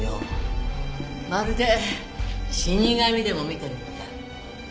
まるで死神でも見てるみたい。